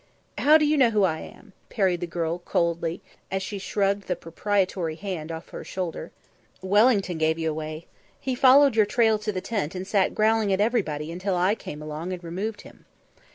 "How do you know who I am?" parried the girl coldly, as she shrugged the proprietory hand off her shoulder. "Wellington gave you away. He followed your trail to the tent and sat growling at everybody until I came along and removed him."